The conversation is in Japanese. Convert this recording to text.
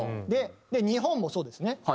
日本もそうですね。